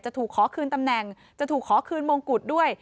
ถูกขอคืนตำแหน่งจะถูกขอคืนมงกุฎด้วย